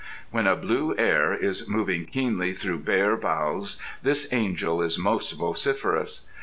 When a blue air is moving keenly through bare boughs this angel is most vociferous.